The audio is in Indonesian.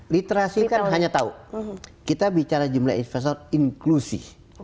literasi kan hanya tahu kita bicara jumlah investor inklusi